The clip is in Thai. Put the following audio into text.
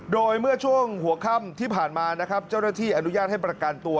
โดยเมื่อช่วงหัวค่ำที่ผ่านมานะครับเจ้าหน้าที่อนุญาตให้ประกันตัว